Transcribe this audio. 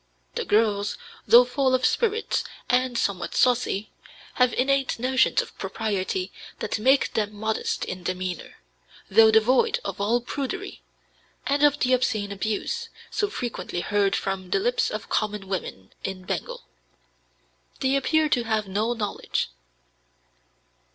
The girls, though full of spirits and somewhat saucy, have innate notions of propriety that make them modest in demeanor, though devoid of all prudery, and of the obscene abuse, so frequently heard from the lips of common women in Bengal, they appear to have no knowledge.